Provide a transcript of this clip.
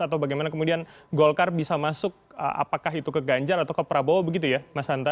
atau bagaimana kemudian golkar bisa masuk apakah itu ke ganjar atau ke prabowo begitu ya mas hanta